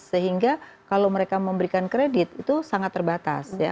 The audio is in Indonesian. sehingga kalau mereka memberikan kredit itu sangat terbatas ya